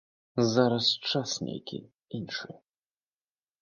Зараз час нейкі іншы.